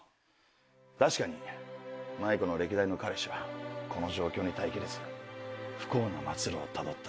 確かにマイコの歴代の彼氏はこの状況に耐えきれず不幸な末路をたどった。